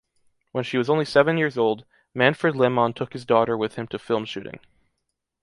When she was only seven years old, Manfred Lehmann took his daughter with him to film shooting.